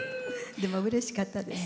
でも、うれしかったです。